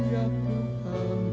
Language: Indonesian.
ya allah yang kuanggu